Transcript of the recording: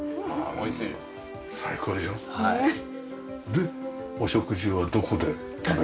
でお食事はどこで食べるんですか？